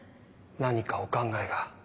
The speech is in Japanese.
何かお考えが？